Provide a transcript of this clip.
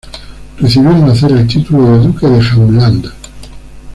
Recibió al nacer el título de duque de Jämtland.